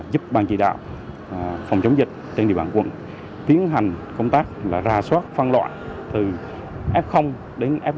giúp ban chỉ đạo phòng chống dịch trên địa bàn quận tiến hành công tác là ra soát phân loại từ f đến f bốn f năm theo quy định của bộ y tế